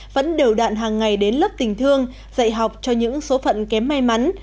vẫn đều đạn hàng ngày đến lớp tình thương dạy học cho những số phận kém may mắn